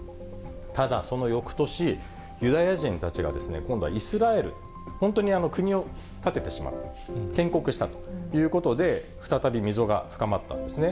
ただ、そのよくとし、ユダヤ人たちが今度はイスラエル、本当に国を建ててしまった、建国したということで、再び溝が深まったんですね。